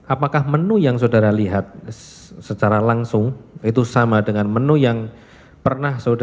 apakah menu yang saudara lihat secara langsung itu sama dengan menu yang pernah saudara